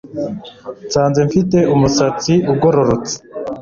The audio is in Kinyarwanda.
Nsanze mfite umusatsi ugororotse